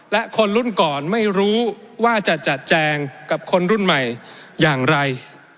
และคนรุ่นก่อนไม่รู้ว่าจะจัดแจงกับคนรุ่นใหม่อย่างไร